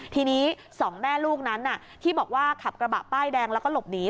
ทีนี้สองแม่ลูกนั้นที่บอกว่าขับกระบะป้ายแดงแล้วก็หลบหนี